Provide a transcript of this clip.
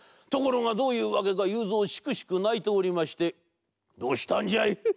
ところがどういうわけかゆうぞうしくしくないておりまして「どうしたんじゃい？」。